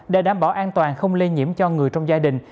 để đảm bảo an toàn không lây nhiễm cho người trong gia đình